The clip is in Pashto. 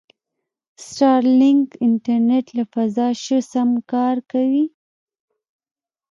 سټارلینک انټرنېټ له فضا شه سم کار کوي.